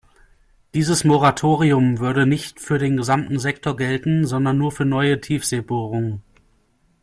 Dieses Moratorium würde nicht für den gesamten Sektor gelten, sondern nur für neue Tiefseebohrungen.